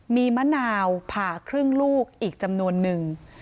มีมะนาวผ่าครึ่งลูกอีกจำนวนนึง